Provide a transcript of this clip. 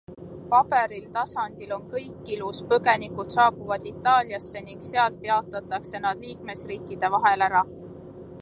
Paberil tasandil on kõik ilus - põgenikud saabuvad Itaaliasse ning sealt jaotatakse nad liikmesriikide vahel ära.